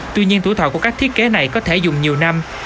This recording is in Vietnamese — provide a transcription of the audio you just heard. tuy nhiên tuổi thọ của các thiết kế này có thể dùng nhiều năm